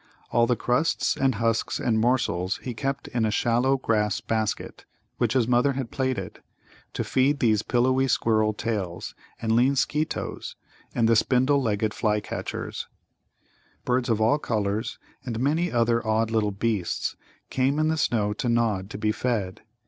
All the crusts and husks and morsels he kept in a shallow grass basket, which his mother had plaited, to feed these pillowy Squirrel tails, the lean Skeetoes, and the spindle legged flycatchers. Birds of all colours and many other odd little beasts came in the snow to Nod to be fed.